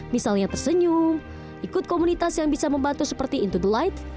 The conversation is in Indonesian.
misalnya tersenyum ikut komunitas yang bisa membantu seperti into the light